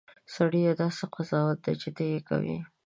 سړیه! دا څه قضاوت دی چې ته یې کوې.